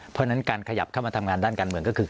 เพราะฉะนั้นการขยับเข้ามาทำงานด้านการเมืองก็คือ